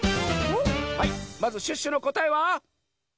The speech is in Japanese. はいまずシュッシュのこたえは？